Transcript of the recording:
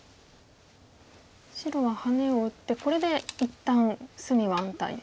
白はハネを打ってこれで一旦隅は安泰ですか。